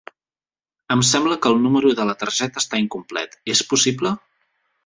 Em sembla que el número de la targeta està incomplet, és possible?